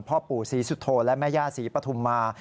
พ่อปู่ศรีสุโธและแม่ย่าศรีปฐุมมา